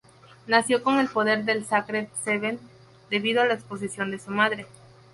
Nació con el poder del "Sacred Seven" debido a la exposición de su madre.